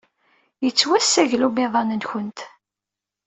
Yettwassagel umiḍan-nwent.